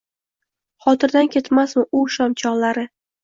Xotirdan ketmasmi u shom chog‘lari